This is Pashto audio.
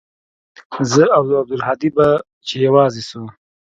زه او عبدالهادي به چې يوازې سو.